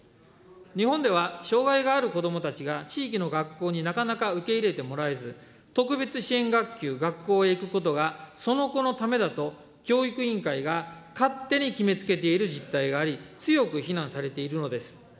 日本では障害がある子どもたちが地域の学校になかなか受け入れてもらえず、特別支援学級、学校へ行くことがその子のためだと教育委員会が勝手に決めつけている実態があり、強く非難されているのです。